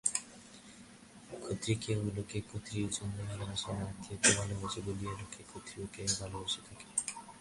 ক্ষত্রিয়কেও লোকে ক্ষত্রিয়ের জন্য ভালবাসে না, আত্মাকে ভালবাসে বলিয়াই লোকে ক্ষত্রিয়কে ভালবাসিয়া থাকে।